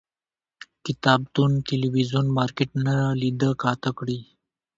کتابتون، تلویزون، مارکيټ نه لیده کاته کړي